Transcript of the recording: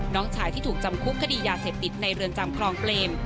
น้องชายที่ถูกจำคุกคดียาเสพติดในเรือนจำคลองเปรม